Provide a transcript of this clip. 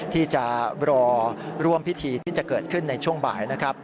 ที่จะรอร่วมพิธีที่จะเกิดขึ้นในช่วงบ่ายนะครับ